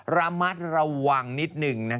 ระมัดระวังนิดนึง